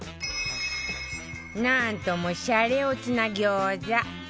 なんともシャレオツな餃子